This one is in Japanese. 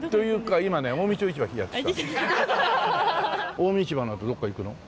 近江市場のあとどっか行くの？